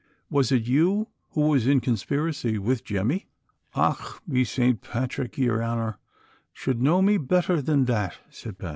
"Was it j''ou who was in conspiracy witli Jemmy "—" Och ! be Sant Patrick, yer honor should know me better than that," said Pat.